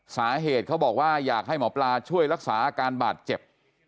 สาเหตุเขาบอกว่าอยากให้หมอปลาช่วยรักษาอาการบาดเจ็บ